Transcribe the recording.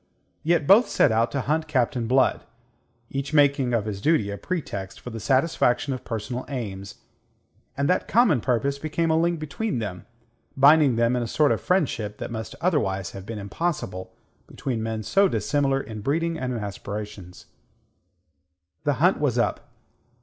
Yet both set out to hunt Captain Blood, each making of his duty a pretext for the satisfaction of personal aims; and that common purpose became a link between them, binding them in a sort of friendship that must otherwise have been impossible between men so dissimilar in breeding and in aspirations. The hunt was up.